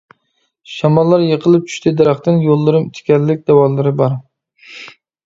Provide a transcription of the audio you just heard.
شاماللار يىقىلىپ چۈشتى دەرەختىن، يوللىرىم تىكەنلىك، داۋانلىرى بار.